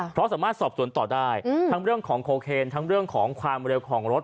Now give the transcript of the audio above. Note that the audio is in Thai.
เพราะสามารถสอบสวนต่อได้ทั้งเรื่องของโคเคนทั้งเรื่องของความเร็วของรถ